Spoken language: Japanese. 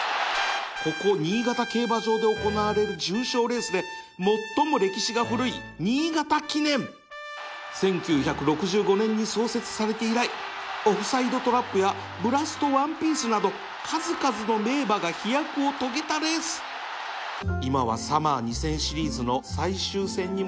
ここ新潟競馬場で行われる重賞レースで最も歴史が古い新潟記念１９６５年に創設されて以来オフサイドトラップやブラストワンピースなど数々の名馬が飛躍を遂げたレースチキンラーメン！